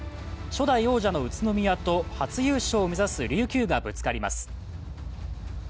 初代王者の宇都宮と初優勝を目指す琉球がぶつかります。